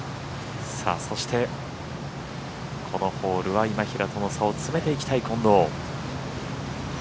そして、このホールは今平との差を詰めていきたい近藤。